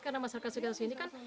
karena masyarakat sekalian sini kan